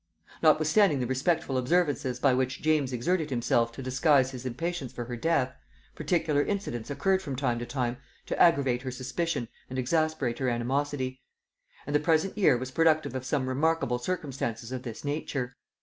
Notwithstanding the respectful observances by which James exerted himself to disguise his impatience for her death, particular incidents occurred from time to time to aggravate her suspicion and exasperate her animosity; and the present year was productive of some remarkable circumstances of this nature.